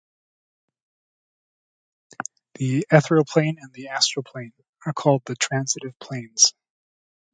The Ethereal Plane and the Astral Plane are called the Transitive Planes.